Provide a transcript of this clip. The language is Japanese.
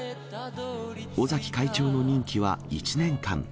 尾崎会長の任期は１年間。